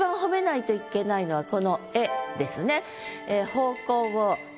この「へ」ですね。